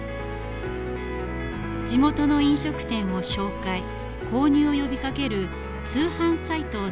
地元の飲食店を紹介購入を呼びかける通販サイトを立ち上げた。